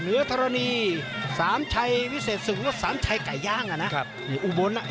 เนื้อธรณีสามชัยวิเศษสุขสามชัยไก่ย่างอ่ะนะอู้บลอ่ะ